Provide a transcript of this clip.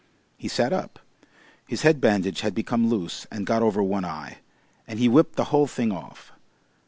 He sat up. His head bandage had become loose and got over one eye, and he whipped the whole thing off.